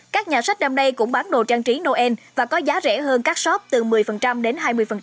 các nhà sách năm nay cũng bán đồ trang trí noel và có giá rẻ hơn các shop từ một mươi đến hai mươi